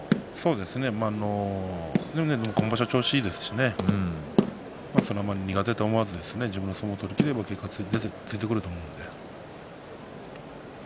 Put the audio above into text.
でも今場所調子がいいですし苦手と思わず自分の相撲を取りきれば結果はついてくると思うので。